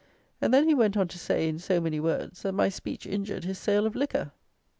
And then he went on to say, in so many words, that my speech injured his sale of liquor!